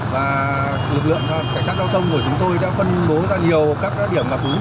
và lực lượng cảnh sát giao thông của chúng tôi đã phân bố ra nhiều các điểm ngập úng